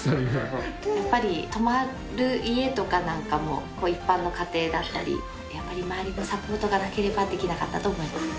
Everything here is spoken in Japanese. やっぱり泊まる家とかなんかも、一般の家庭だったり、やっぱり周りのサポートがなければできなかったと思います。